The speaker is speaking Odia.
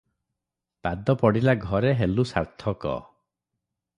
ପାଦ ପଡ଼ିଲା ଘରେ ହେଲୁ ସାର୍ଥକ ।